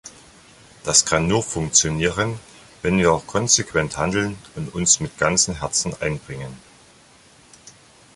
Das kann nur funktionieren, wenn wir konsequent handeln und uns mit ganzem Herzen einbringen.